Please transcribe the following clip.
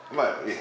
え？